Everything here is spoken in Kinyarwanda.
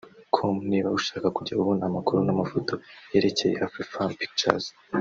com Niba ushaka kujya ubona amakuru n’amafoto yerekeye Afrifame Pictures